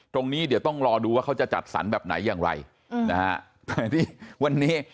ตรงนี้เดี๋ยวต้องรอดูว่าเขาจะจัดสรรแบบไหนอย่างไรนะฮะแต่ที่วันนี้